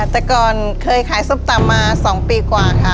แต่ก่อนเคยขายส้มตำมา๒ปีกว่าค่ะ